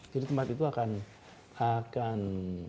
jadi tempat itu akan